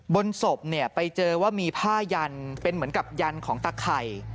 บนศพไปเจอว่ามีผ้ายันเป็นเหมือนกับยันของตะไข่